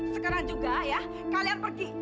sekarang juga ya kalian pergi